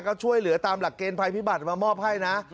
ก็ช่วยเหลือตามหลักเกณฑ์ภัยพิบัตรมามอบให้นะ